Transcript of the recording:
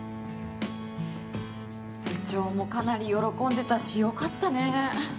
部長もかなり喜んでたし良かったね。